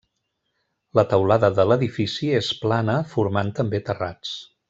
La teulada de l'edifici és plana formant també terrats.